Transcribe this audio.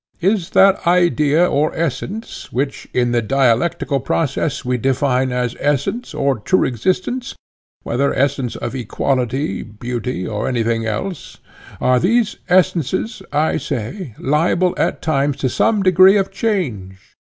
Is that idea or essence, which in the dialectical process we define as essence or true existence—whether essence of equality, beauty, or anything else—are these essences, I say, liable at times to some degree of change?